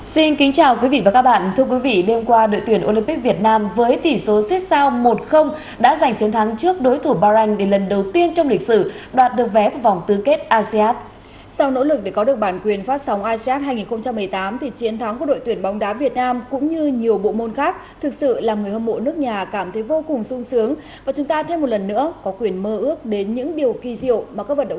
xin kính chào quý vị và các bạn